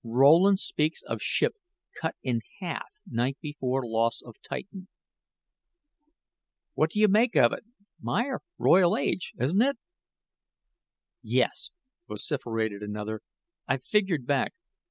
Rowland speaks of ship cut in half night before loss of Titan." "What do you make of it, Meyer Royal Age, isn't it?" asked one. "Yes," vociferated another, "I've figured back.